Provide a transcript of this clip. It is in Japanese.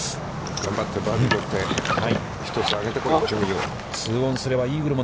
頑張ってバーディー取って、１つ上げてこい、上位を。